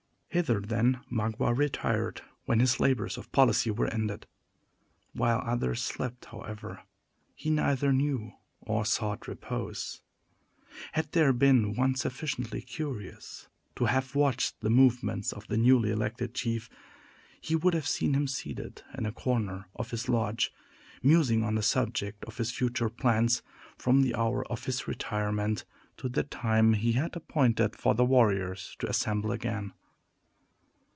Hither, then, Magua retired, when his labors of policy were ended. While others slept, however, he neither knew or sought repose. Had there been one sufficiently curious to have watched the movements of the newly elected chief, he would have seen him seated in a corner of his lodge, musing on the subject of his future plans, from the hour of his retirement to the time he had appointed for the warriors to assemble again.